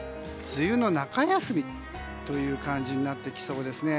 梅雨の中休みという感じになってきそうですね。